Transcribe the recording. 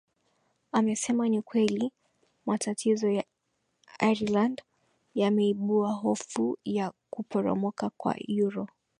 amesema ni kweli matatizo ya ireland yameibua hofu ya kuporomoka kwa euro